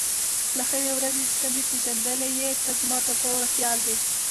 له هغې ورځې چې ته مې پېژندلی یې ته زما تصور او خیال وې.